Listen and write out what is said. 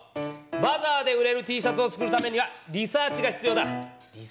バザーで売れるＴシャツを作るためにはリサーチが必要だ！リサーチ？